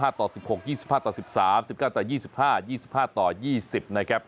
ต่อ๑๖๒๕ต่อ๑๓๑๙ต่อ๒๕๒๕ต่อ๒๐นะครับ